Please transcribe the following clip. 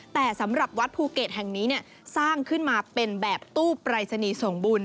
แต่สำหรับวัดภูเก็ตแห่งนี้สร้างขึ้นมาเป็นแบบตู้ปรายศนีย์ส่งบุญ